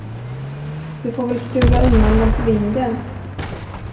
Du får väl stuva undan dem på vinden?